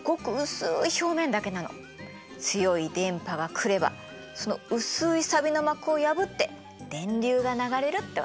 強い電波が来ればその薄いさびの膜を破って電流が流れるってわけ。